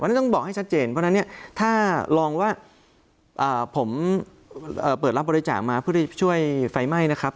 อันนี้ต้องบอกให้ชัดเจนเพราะฉะนั้นเนี่ยถ้าลองว่าผมเปิดรับบริจาคมาเพื่อช่วยไฟไหม้นะครับ